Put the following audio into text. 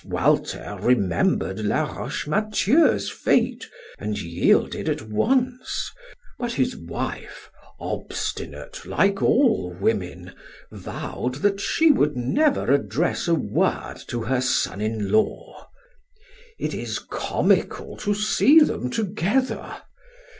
Walter remembered Laroche Mathieu's fate and yielded at once; but his wife, obstinate like all women, vowed that she would never address a word to her son in law. It is comical to see them together!